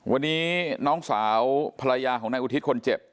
วันนี้น้องสาวภรรยาของนายอุทิศคนเจ็บ